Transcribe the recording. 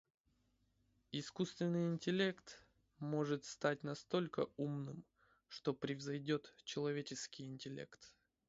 Искусственный интеллект может стать настолько умным, что превзойдет человеческий интеллект.